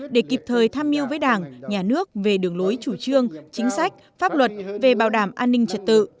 để kịp thời tham mưu với đảng nhà nước về đường lối chủ trương chính sách pháp luật về bảo đảm an ninh trật tự